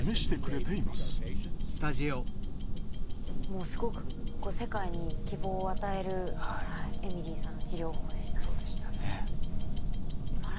もうすごく世界に希望を与えるエミリーさんの治療法でしたね。